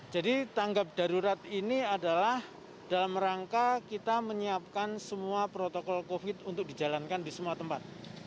jadi tanggap darurat ini adalah dalam rangka kita menyiapkan semua protokol covid untuk dijalankan di semua tempat